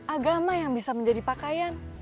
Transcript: agama yang bisa menjadi pakaian